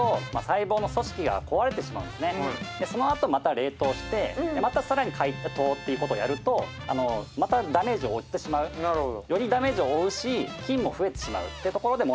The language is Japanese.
そのあとまた冷凍してまた更に解凍っていうことをやるとまたダメージを負ってしまうよりダメージを負うし菌も増えてしまうというところで問題がありますね